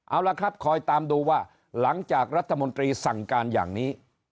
เอาละครับคอยตามดูว่าหลังจากรัฐมนตรีสั่งการอย่างนี้